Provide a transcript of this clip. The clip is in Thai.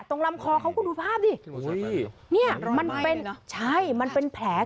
ตรงลำคอเขาคุณดูภาพดิโอ้ยเนี้ยมันเป็นใช่มันเป็นแผล